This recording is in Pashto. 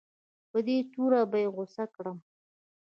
په دې توره به یې غوڅه کړم.